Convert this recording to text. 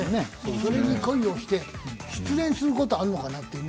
それに恋をして、失恋することはあるのかな。